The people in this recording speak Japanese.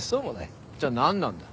じゃあなんなんだ？